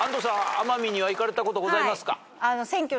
奄美には行かれたことございますか？